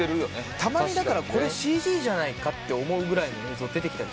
たまにこれＣＧじゃないか？って思うぐらいの映像出てきたり。